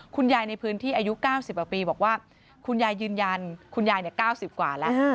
ในพื้นที่อายุ๙๐กว่าปีบอกว่าคุณยายยืนยันคุณยาย๙๐กว่าแล้ว